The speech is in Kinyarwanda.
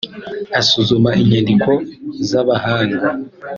asuzuma inyandiko z’abahanga